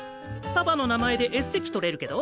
パパの名前でＳ席取れるけど。